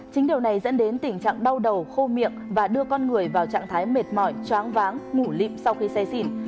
chính điều này dẫn đến tình trạng đau đầu khô miệng và đưa con người vào trạng thái mệt mỏi chóng váng ngủ lịm sau khi xe xin